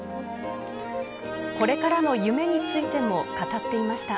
これからの夢についても語っていました。